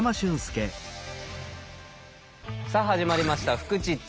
さあ始まりました「フクチッチ」。